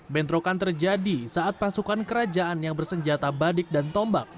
bentrokan terjadi saat pasukan kerajaan yang bersenjata badik dan tombak